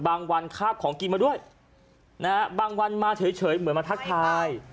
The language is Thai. บางวันคาบของกินมาด้วยนะฮะบางวันมาเฉยเหมือนมาทักทาย